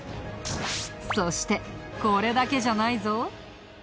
そしてこれだけじゃないぞ。